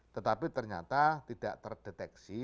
tetapi ternyata tidak terdeteksi